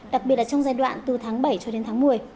đặc biệt trong giai đoạn từ tháng bảy đến tháng một mươi